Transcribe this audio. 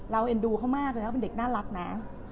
เอ็นดูเขามากเลยนะเป็นเด็กน่ารักนะ